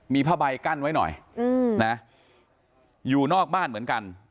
มีผ้าใบกั้นไว้หน่อยนะอยู่นอกบ้านเหมือนกัน